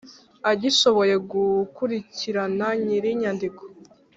agishoboye gukurikirana nyir inyandiko